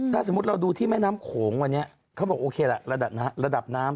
ถ้าสมมุติเราดูที่แม่น้ำโขงวันนี้เขาบอกโอเคละระดับระดับน้ำ